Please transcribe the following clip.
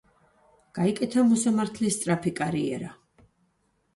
გაიკეთა მოსამართლის სწრაფი კარიერა.